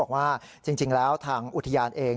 บอกว่าจริงแล้วทางอุทยานเอง